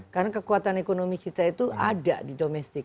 karena kekuatan ekonomi kita itu ada di domestik